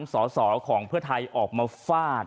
สอสอของเพื่อไทยออกมาฟาด